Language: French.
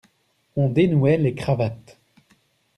On dénouait les cravates.